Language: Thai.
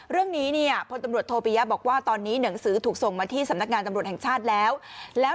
เรื่องนี้เนี่ยพลตำรวจโทปิยะบอกว่าตอนนี้หนังสือถูกส่งมาที่สำนักงานตำรวจแห่งชาติแล้วแล้ว